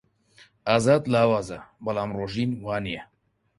ئازاد لاوازە، بەڵام ڕۆژین وانییە.